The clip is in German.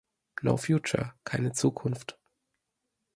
No future, keine Zukunft.